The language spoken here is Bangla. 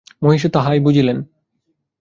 মহিষীও তাহাই বুঝিলেন!